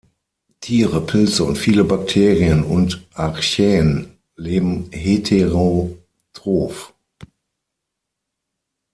Tiere, Pilze und viele Bakterien und Archaeen leben heterotroph.